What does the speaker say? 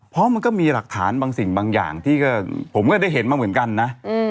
เพราะมันก็มีหลักฐานบางสิ่งบางอย่างที่ผมก็ได้เห็นมาเหมือนกันนะ